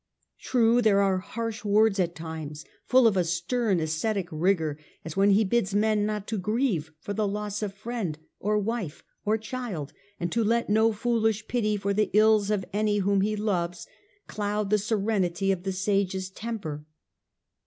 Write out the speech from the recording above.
True, there are harsh words at times, full of a stern, ascetic rigour, as when he bids men not to grieve for the loss of friend, or wife, or child, and to let no foolish pity for the ills of any whom he loves cloud the serenity of the sage's temper.